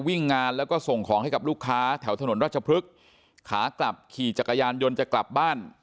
วิ่งงานแล้วก็ส่งของให้กับลูกค้าแถวถนนราชพฤกษ์ขากลับขี่จักรยานยนต์จะกลับบ้าน